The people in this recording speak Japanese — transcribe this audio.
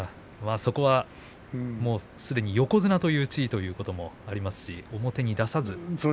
それは常に横綱という地位というのもありますし表に出さずに。